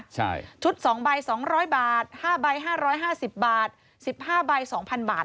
ใช่ชุด๒ใบ๒๐๐บาท๕ใบ๕๕๐บาท๑๕ใบ๒๐๐บาท